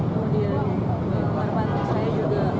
kemudian harapan saya juga